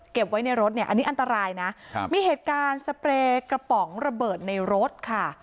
ไว้ในรถเนี่ยอันนี้อันตรายนะครับมีเหตุการณ์สเปรย์กระป๋องระเบิดในรถค่ะ